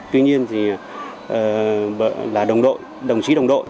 tuy nhiên thì là đồng đội đồng chí đồng đội